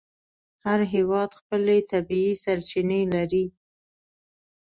هر هېواد خپلې طبیعي سرچینې لري.